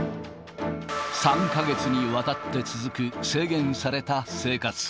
３か月にわたって続く制限された生活。